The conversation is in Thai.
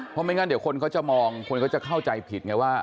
เพราะไม่งั้นเดี๋ยวคนเขาจะมองคนเขาจะเข้าใจผิดไงว่า